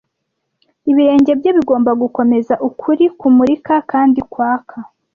Ibirenge bye bigomba gukomeza ukuri kumurika kandi kwaka,